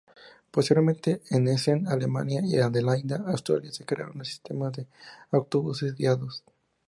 Posteriormente en Essen, Alemania y Adelaida, Australia se crearon sistemas de autobuses guiados.